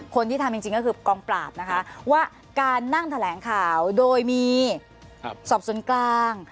คนที่ทำจริงก็คือกองปราบนะคะว่าการนั่งแถลงข่าวโดยมีสอบส่วนกลาง